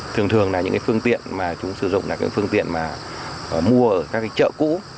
thường thường là những cái phương tiện mà chúng sử dụng là cái phương tiện mà mua ở các cái chợ cũ